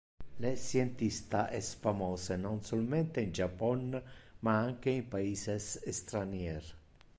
Le scientista es famose non solmente in Japon ma anque in paises estranier.